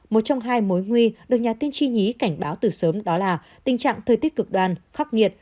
một trong hai mối nguy được nhà tiên tri nhí cảnh báo từ sớm đó là tình trạng thời tiết cực đoan khắc nghiệt